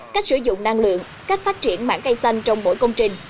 cách sử dụng năng lượng cách phát triển mảng cây xanh trong mỗi công trình